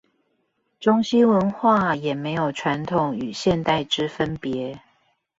中西文化也沒有傳統與現代之分別